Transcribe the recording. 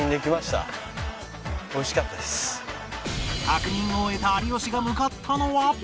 確認を終えた有吉が向かったのは